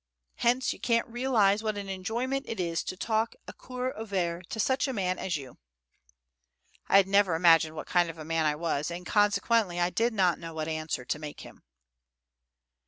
Hence you can't realize what an enjoyment it is to talk a coeur ouvert to such a man as you are." I had never imagined what kind of a man I was, and consequently I did not know what answer to make him.